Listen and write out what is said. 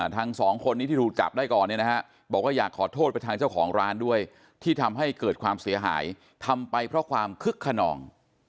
สองคนนี้ที่ถูกจับได้ก่อนเนี่ยนะฮะบอกว่าอยากขอโทษไปทางเจ้าของร้านด้วยที่ทำให้เกิดความเสียหายทำไปเพราะความคึกขนอง